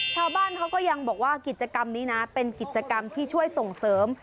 ชาวบ้านเขาก็ยังบอกว่ากิจกรรมนี้นะเป็นกิจกรรมที่ช่วยส่งเสริม